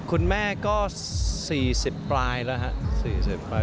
คุณแม่ก็๔๐ปลายแล้วครับ